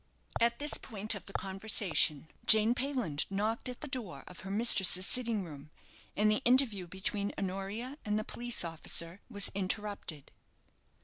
At this point of the conversation Jane Payland knocked at the door of her mistress's sitting room, and the interview between Honoria and the police officer was interrupted.